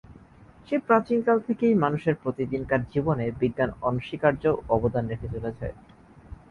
সেই প্রাচীন কাল থেকেই মানুষের প্রতিদিনকার জীবনে বিজ্ঞান অনস্বীকার্য অবদান রেখে চলেছে।